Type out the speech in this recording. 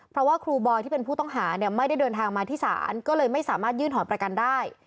เพราะว่าครูบอยที่เป็นผู้ต้องหาเนี่ยไม่ได้เดินทางมาที่ศาลก็เลยไม่สามารถยื่นถอนประกันได้